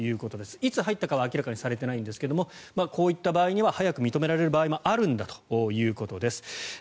いつ入ったかは明らかにされていませんがこういった場合には早く認められる場合もあるんだということです。